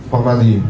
hoặc là gì